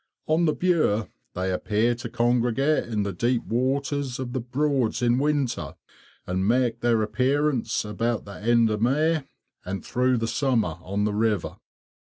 On the Bure they appear to congregate in the deep waters of the Broads in winter, and make their appearance about the end of May and through the summer on the river.